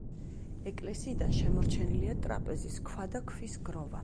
ეკლესიიდან შემორჩენილია ტრაპეზის ქვა და ქვის გროვა.